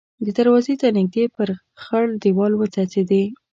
دروازې ته نږدې پر خړ دېوال وڅڅېدې.